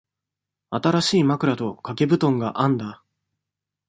新しい枕と掛け布団があんだ。